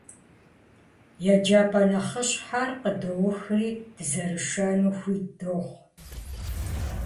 ЕджапӀэ нэхъыщхьэр къыдоухри, дызэрышэну хуит дохъу.